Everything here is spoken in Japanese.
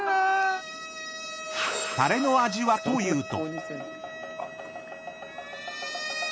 ［タレの味はというと］